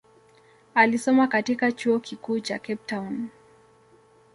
Alisoma katika chuo kikuu cha Cape Town.